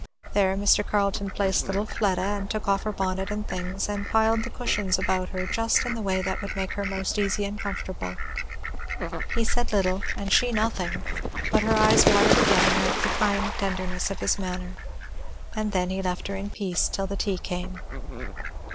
There Mr. Carleton placed little Fleda, took off her bonnet and things, and piled the cushions about her just in the way that would make her most easy and comfortable. He said little, and she nothing, but her eyes watered again at the kind tenderness of his manner. And then he left her in peace till the tea came.